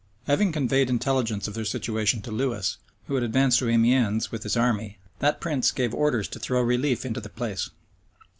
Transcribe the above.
Having conveyed intelligence of their situation to Lewis, who had advanced to Amiens with his army, that prince gave orders to throw relief into the place.